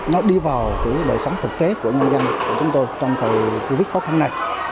nó đi vào lời sống thực tế của nhân dân của chúng tôi trong thời covid khó khăn này